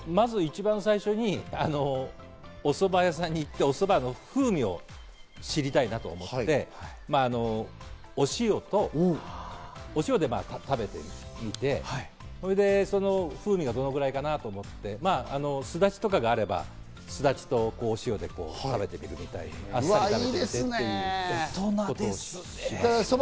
まず一番最初に、おそば屋さんに行って、おそば屋さんの風味を知りたいなと思って、お塩で食べてみて、それで風味がどのぐらいかなと思って、すだちとかがあれば、すだちとお塩で食べるみたいな。